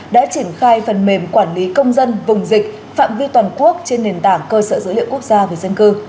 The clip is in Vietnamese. đã triển khai phần mềm quản lý công dân vùng dịch phạm vi toàn quốc trên nền tảng cơ sở dữ liệu quốc gia về dân cư